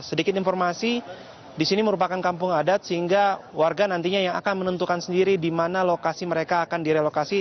sedikit informasi di sini merupakan kampung adat sehingga warga nantinya yang akan menentukan sendiri di mana lokasi mereka akan direlokasi